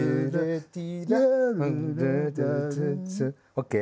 ＯＫ！